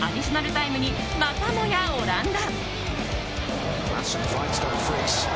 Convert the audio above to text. タイムにまたもやオランダ。